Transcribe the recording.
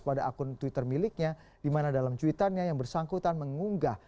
pada akun twitter miliknya di mana dalam cuitannya yang bersangkutan mengunggah